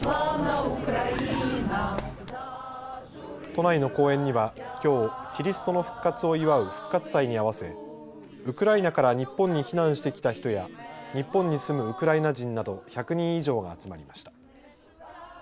都内の公園にはきょう、キリストの復活を祝う復活祭に合わせウクライナから日本に避難してきた人や日本に住むウクライナ人など１００人以上が集まりました。